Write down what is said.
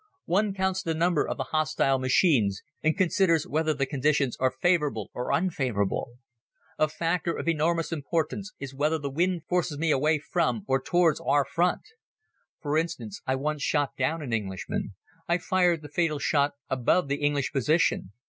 One counts the number of the hostile machines and considers whether the conditions are favorable or unfavorable. A factor of enormous importance is whether the wind forces me away from or towards our Front. For instance, I once shot down an Englishman. I fired the fatal shot above the English position.